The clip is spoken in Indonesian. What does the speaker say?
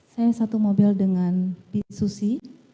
saya satu mobil dengan susi